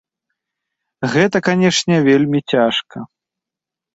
Гэта, канешне, вельмі цяжка.